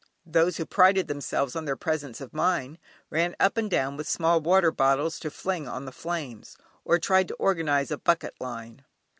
Those who prided themselves on their presence of mind, ran up and down with small water bottles to fling on the flames, or tried to organise a bucket line.